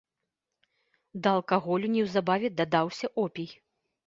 Да алкаголю неўзабаве дадаўся опій.